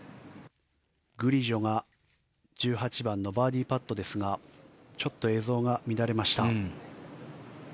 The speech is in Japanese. グリジョが１８番のバーディーパットですがちょっと映像が乱れました。